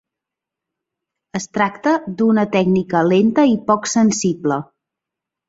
Es tracta d'una tècnica lenta i poc sensible.